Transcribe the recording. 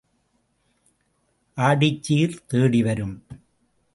ஆடிச்சீர் தேடி வரும்.